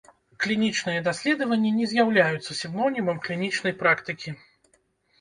Клінічныя даследаванні не з'яўляюцца сінонімам клінічнай практыкі.